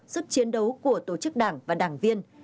giúp chiến đấu của tổ chức đảng và đảng viên